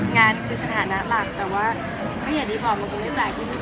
งานคือสถาด้านหลักแต่ก็อย่าดีของมันคงไม่แบบดี